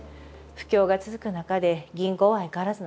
不況が続く中で銀行は相変わらずの貸し渋り。